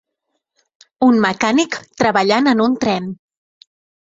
Un mecànic treballant en un tren.